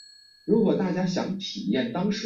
科隆号配备有八门单座安装的。